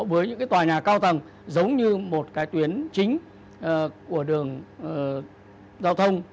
với những cái tòa nhà cao tầng giống như một cái tuyến chính của đường giao thông